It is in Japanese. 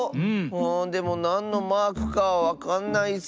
でもなんのマークかはわかんないッス。